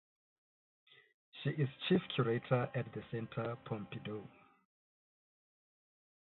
She is chief curator at the Centre Pompidou.